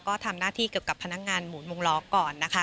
ก็ทำหน้าที่เกี่ยวกับพนักงานหมุนมุงล้อก่อนนะคะ